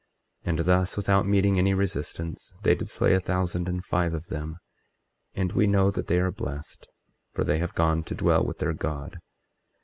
24:22 And thus without meeting any resistance, they did slay a thousand and five of them; and we know that they are blessed, for they have gone to dwell with their God.